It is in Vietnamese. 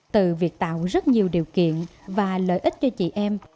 từ việc tạo rất nhiều điều kiện và lợi ích cho chị em